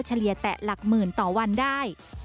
เฉลี่ยแต่หลักหมื่นต่อวันได้